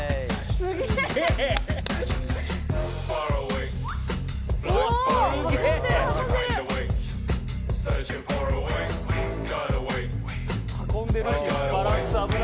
すげえな。